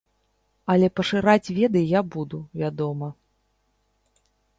Але пашыраць веды я буду, вядома.